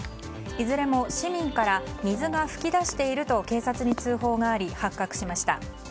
いずれも市民から水が噴き出していると警察に通報があり発覚しました。